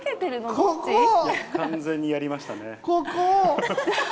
どっ完全にやりましたね。